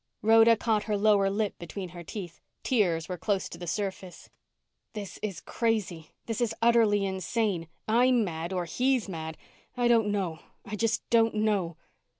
Rhoda caught her lower lip between her teeth. Tears were close to the surface. _This is crazy. This is utterly insane. I'm mad or he's mad. I don't know. I just don't know